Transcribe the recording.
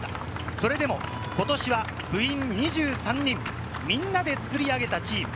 それでもことしは部員２３人、みんなで作り上げたチーム。